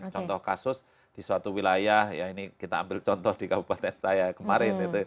contoh kasus di suatu wilayah ya ini kita ambil contoh di kabupaten saya kemarin